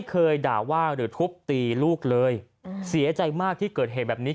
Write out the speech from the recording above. เคยด่าว่าหรือทุบตีลูกเลยเสียใจมากที่เกิดเหตุแบบนี้